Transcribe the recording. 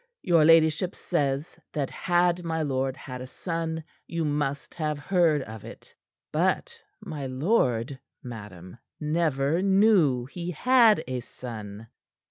Your ladyship says that had my lord had a son you must have heard of it. But my lord, madam, never knew he had a son.